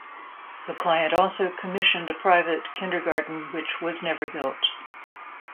The client also commissioned a private kindergarten which was never built.